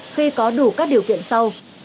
khi có đủ các điều kiện sau